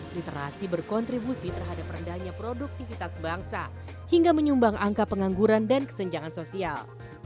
literasi berkontribusi terhadap rendahnya produktivitas bangsa hingga menyumbang angka pengangguran dan kesenjangan sosial